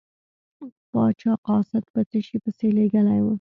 پاچا قاصد په څه شي پسې لیږلی و.